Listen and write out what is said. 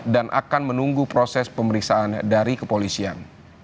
dan akan menunggu proses pemeriksaan dari kepolisian